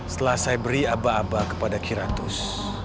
setelah saya beri aba aba kepada kiratus